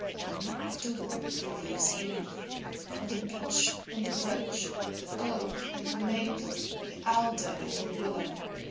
One after one the leaves came off from the Beech and the Birch, the Oak and the Maple, the Alder and the Willow.